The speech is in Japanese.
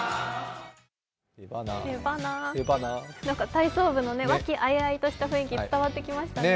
体操部の和気あいあいとした雰囲気、伝わってきましたね。